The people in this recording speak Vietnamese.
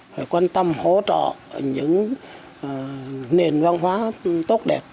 phải quan tâm hỗ trợ những nền văn hóa tốt đẹp